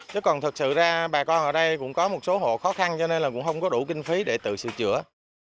chứ còn thật sự ra bà con ở đây cũng có một số hộ khó khăn cho nên là cũng không có đủ kinh phí để tự sửa chữa